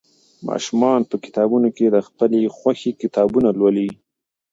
ماشومان په کتابتونونو کې د خپلې خوښې کتابونه لولي.